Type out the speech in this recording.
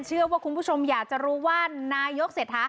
เชื่อว่าคุณผู้ชมอยากจะรู้ว่านายกเศรษฐา